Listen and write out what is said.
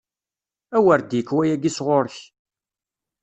A wer d-yekk wayagi sɣur-k!